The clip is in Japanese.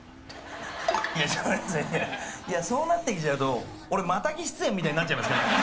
いやそうなってきちゃうと俺マタギ出演みたいになっちゃいますから。